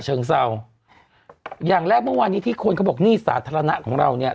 เชิงเศร้าอย่างแรกเมื่อวานนี้ที่คนเขาบอกหนี้สาธารณะของเราเนี่ย